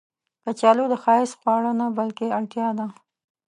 کچالو د ښایست خواړه نه، بلکې اړتیا ده